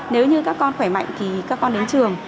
nếu như các con khỏe mạnh thì các con đến trường